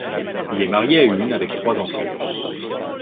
Il est marié à une avec trois enfants.